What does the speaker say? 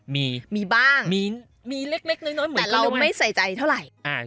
มีมีบ้างมีเล็กน้อยเหมือนแต่เราไม่ใส่ใจเท่าไหร่